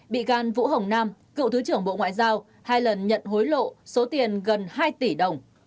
bị can vũ hồng nam cựu thứ trưởng bộ ngoại giao hai lần nhận hối lộ số tiền gần hai tỷ đồng